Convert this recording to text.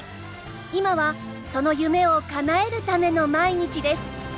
今はその夢をかなえるための毎日です。